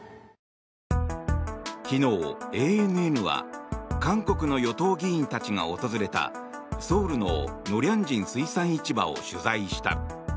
昨日、ＡＮＮは韓国の与党議員たちが訪れたソウルのノリャンジン水産市場を取材した。